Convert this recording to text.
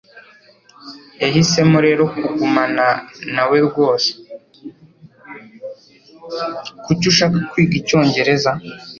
Kuki ushaka kwiga icyongereza?